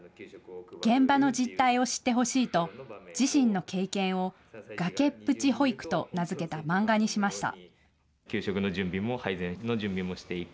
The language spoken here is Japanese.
現場の実態を知ってほしいと自身の経験を崖っぷち保育と名付けた漫画にしました。